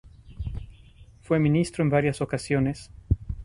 Fue Ministro en varias ocasiones.